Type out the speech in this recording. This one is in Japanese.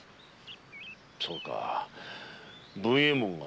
そうか文右衛門がなあ。